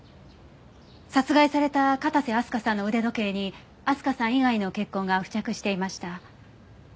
殺害された片瀬明日香さんの腕時計に明日香さん以外の血痕が付着していました。